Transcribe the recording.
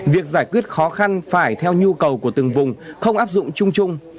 việc giải quyết khó khăn phải theo nhu cầu của từng vùng không áp dụng chung chung